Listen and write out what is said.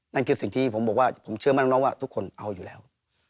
นั่นคือสิ่งที่ผมบอกว่าผมเชื่อมั่นน้องว่าทุกคนเอาอยู่แล้ว